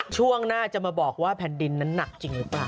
ช่วงหน้าจะมาบอกว่าแผ่นดินนั้นหนักจริงหรือเปล่า